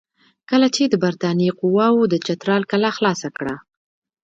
کله چې د برټانیې قواوو د چترال کلا خلاصه کړه.